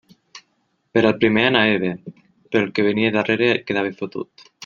Per al primer anava bé, però el que venia darrere quedava fotut.